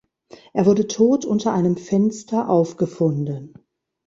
Er wurde tot unter einem Fenster aufgefunden.